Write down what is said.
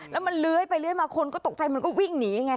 แล้วมันเลื้อยไปเลื้อยมาคนก็ตกใจมันก็วิ่งหนีไง